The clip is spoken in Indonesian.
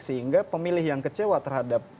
sehingga pemilih yang kecewa terhadap